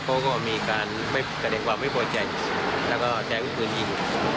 เขาก็มีการกระแดงว่าไม่โปรดใจแล้วก็แชร์วิทยุคืนยิง